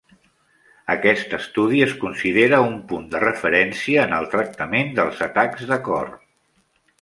Aquest estudi es considera un punt de referència en el tractament dels atacs de cor.